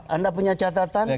anda punya catatan